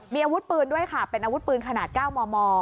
มีอาวุธปืนด้วยค่ะเป็นอาวุธปืนขนาด๙มม